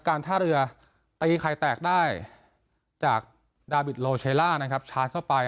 การท่าเรือตีไข่แตกได้จากนะครับชาร์จเข้าไป